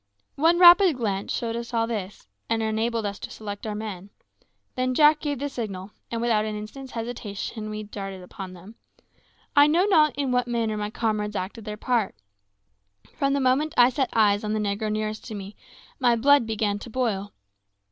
One rapid glance showed us all this, and enabled us to select our men. Then Jack gave the signal, and without an instant's hesitation we darted upon them. I know not in what manner my comrades acted their part. From the moment I set eyes on the negro nearest to me, my blood began to boil.